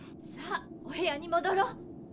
さあお部屋にもどろう。